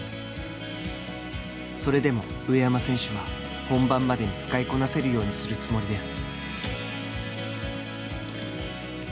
それでも上山選手は本番までに使いこなせるようにするつもりです。